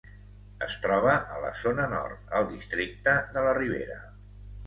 Es troba a la zona nord, al districte de la Ribera.